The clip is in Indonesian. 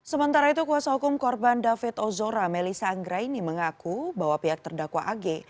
sementara itu kuasa hukum korban david ozora melisa anggraini mengaku bahwa pihak terdakwa ag